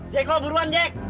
jeko buruan jek